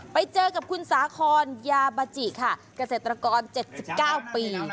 ไปเจอกับคุณสาคอนยาบาจิค่ะเกษตรกร๗๙ปี